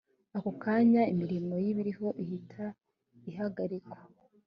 ako kanya imirimo y’ ibiro ihita ihagarikwa